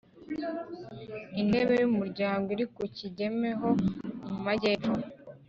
intebe y umuryango iri ku kigeme ho mu majyepfo